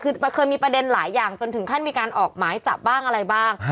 คือเคยมีประเด็นหลายอย่างจนถึงขั้นมีการออกหมายจับบ้างอะไรบ้าง